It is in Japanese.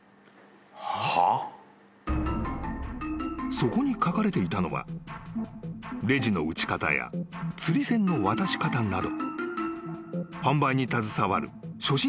［そこに書かれていたのはレジの打ち方や釣り銭の渡し方など］